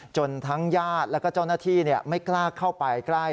จนทั้งญาติแล้วก็เจ้าหน้าที่ไม่กล้าเข้าไปใกล้